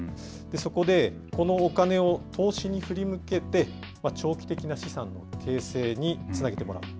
そこでこのお金を投資に振り向けて、長期的な資産の形成につなげてもらう。